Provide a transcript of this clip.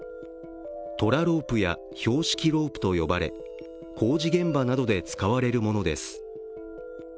トラロープや標識ロープと呼ばれ工事現場などで使われるものです。